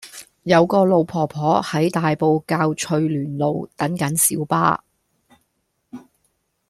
有個老婆婆喺大埔滘翠巒路等緊小巴